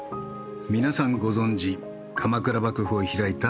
皆さんご存じ鎌倉幕府を開いた人物ですよね。